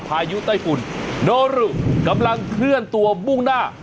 พายุไต้ฝุ่นโนรุกำลังเคลื่อนตัวมุ่งหน้า